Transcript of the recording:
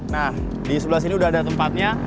nah di sebelah sini udah ada tempatnya